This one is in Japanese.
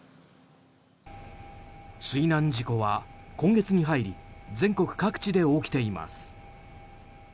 水難事故は今月に入り全国各地で起きています。